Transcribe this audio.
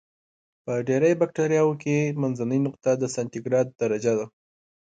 په ډېری بکټریاوو کې منځنۍ نقطه د سانتي ګراد درجه ده.